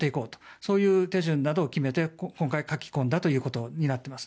そういう手順などを決めて今回、書き込んだということになっています。